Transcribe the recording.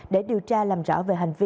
để điều tra làm rõ về hành vi